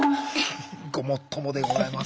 ごもっともでございます。